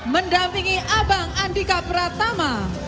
mendampingi abang andika pratama